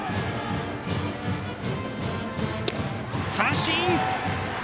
三振！